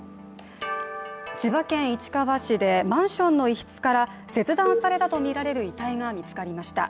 千葉県市川市でマンションの一室から切断されたとみられる遺体が見つかりました。